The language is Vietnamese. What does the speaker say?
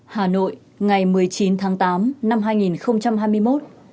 hà nội ngày một mươi chín tháng tám năm hai nghìn hai mươi một